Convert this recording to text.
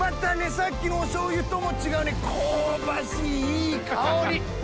さっきのおしょうゆとも違う香ばしいいい香り。